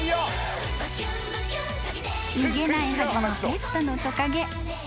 ［逃げないはずのペットのトカゲ］